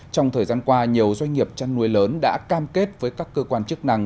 trong thời gian qua nhiều doanh nghiệp chăn nuôi lớn đã cam kết với các cơ quan chức năng